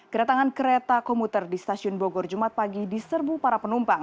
keretangan kereta komuter di stasiun bogor jumat pagi diserbu para penumpang